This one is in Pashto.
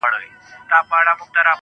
مــروره در څه نـه يمـه ه.